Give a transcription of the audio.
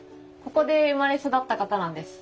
ここで生まれ育った方なんです。